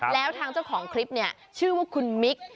แล้วทางเจ้าของคลิปเนี่ยชื่อว่าคุณมิก